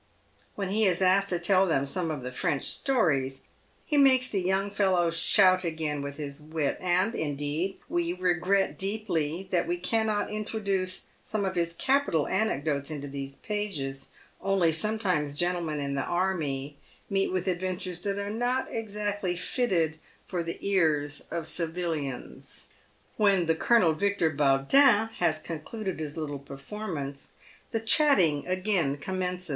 When he is asked to tell some of the Erench stories, he makes the young fellows shout again with his wit, and, indeed, we regret deeply that we cannot introduce some of his capital anecdotes into these pages, only sometimes gentlemen in the army meet with adventures that are not exactly fitted for the ears of civilians. When the Colonel Victor Baudin has concluded his little perform ance, the chatting again commences.